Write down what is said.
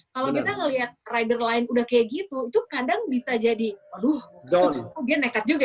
kalau kita ngeliat rider lain udah kayak gitu itu kadang bisa jadi aduh dia nekat juga